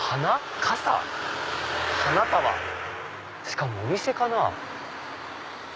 しかもお店かな？